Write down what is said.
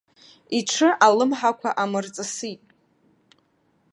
Иҽы алымҳақәа амырҵысит.